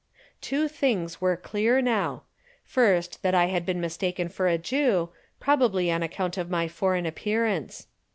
Two things were clear now. First, I had been mistaken for a Jew, probably on account of my foreign appearance.